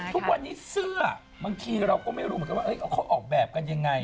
ทุกวันนี้เสื้อบางทีเราก็ไม่รู้เหมือนกันว่าเขาออกแบบกันยังไง